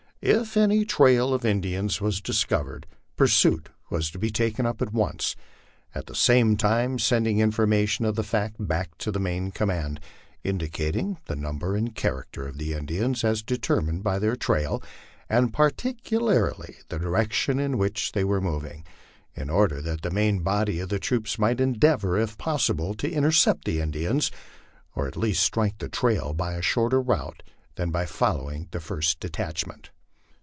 If any trail of Indians was discovered, pursuit was to be taken up at once, at the same time sending information of the fact back to the main command, indicating the number and character of the Indians as determined by their trail, and particularly the direction in which they were moving, in order that the main body of the troops might endeavor if possible to intercept the Indians, or at least strike the trail by a shorter route than by follow ing the first detachment.